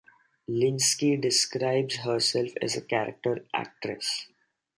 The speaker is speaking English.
Lynskey describes herself as a character actress.